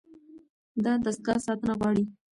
دا دستګاه ساتنه غواړي.